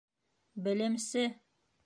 Белемсе!